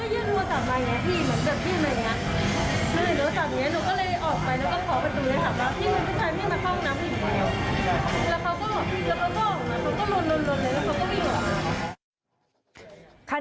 แล้วเขาก็ออกไปแล้วก็ออกมาเขาก็ลนเลยแล้วเขาก็ไม่อยู่ออกมา